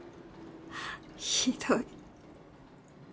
ひどい